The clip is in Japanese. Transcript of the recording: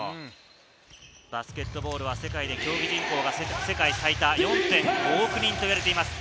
バスケットボールは世界で競技人口が世界最多４．５億人と言われています。